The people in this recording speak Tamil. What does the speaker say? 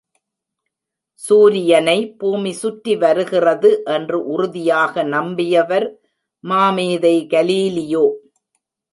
சூரியனை பூமி சுற்றி வருகிறது என்று உறுதியாக நம்பியவர் மாமேதை கலீலியோ.